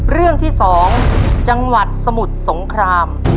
เรื่องที่๒จังหวัดสมุทรสงคราม